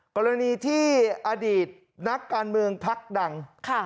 กรณีที่อดีตนักการเมืองพักดัง